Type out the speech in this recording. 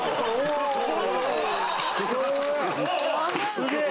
すげえ！